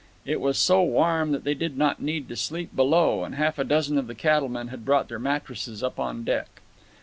It was so warm that they did not need to sleep below, and half a dozen of the cattlemen had brought their mattresses up on deck.